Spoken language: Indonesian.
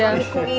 jakarta terus ya